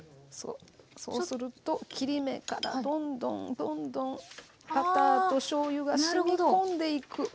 そうすると切り目からどんどんどんどんバターとしょうゆがしみ込んでいく。